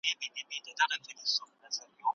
سړی د ښځې څنګ ته ودرېد او غږ یې وکړ.